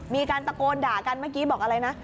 มีการตะโกนด่ากันเมื่อกี้บอกอะไรนะ